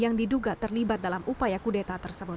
yang diduga terlibat dalam upaya kudeta tersebut